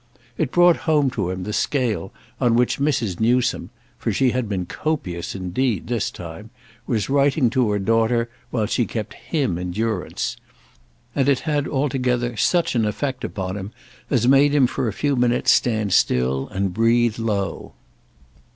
It brought home to him the scale on which Mrs. Newsome—for she had been copious indeed this time—was writing to her daughter while she kept him in durance; and it had altogether such an effect upon him as made him for a few minutes stand still and breathe low.